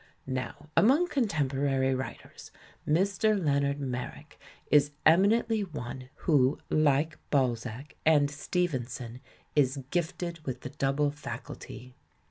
Now among contemporary writers, Mr. Leon ard ]\Ierrick is eminently one who, like Balzac and Stevenson, is gifted with the double faculty.